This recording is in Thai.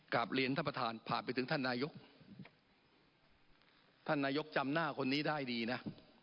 กลับเรียนท่านประธานผ่านไปถึงท่านนายกท่านนายกจำหน้าคนนี้ได้ดีนะ